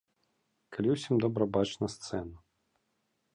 Калі ўсім добра бачна сцэну.